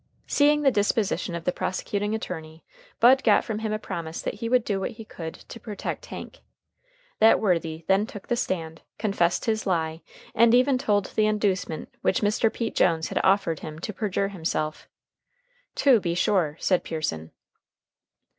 Seeing the disposition of the prosecuting attorney, Bud got from him a promise that he would do what he could to protect Hank. That worthy then took the stand, confessed his lie, and even told the inducement which Mr. Pete Jones had offered him to perjure himself. "To be sure," said Pearson.